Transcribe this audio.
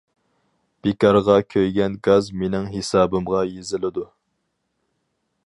بىكارغا كۆيگەن گاز مېنىڭ ھېسابىمغا يېزىلىدۇ.